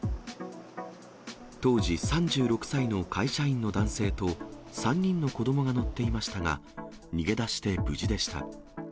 当時、３６歳の会社員の男性と、３人の子どもが乗っていましたが、逃げ出して無事でした。